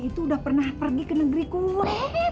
itu udah pernah pergi ke negeri kuloh